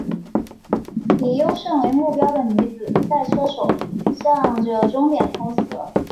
以优胜为目标的女子赛车手向着终点冲刺！